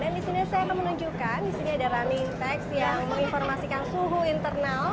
dan di sini saya akan menunjukkan di sini ada running text yang menginformasikan suhu internal